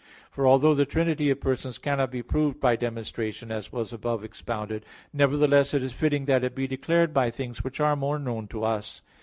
For although the trinity of persons cannot be proved by demonstration, as was above expounded (Q. 32, A. 1), nevertheless it is fitting that it be declared by things which are more known to us.